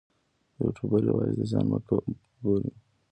یوټوبر یوازې د ځان مه ګوري.